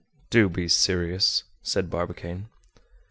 "Do be serious," said Barbicane.